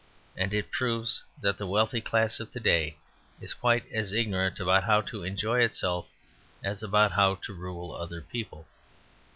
And it proves that the wealthy class of to day is quite as ignorant about how to enjoy itself as about how to rule other people.